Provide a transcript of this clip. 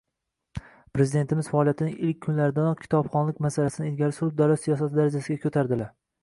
Prezidentimiz faoliyatining ilk kunlaridanoq kitobxonlik masalasini ilgari surib, davlat siyosati darajasiga koʻtardilar.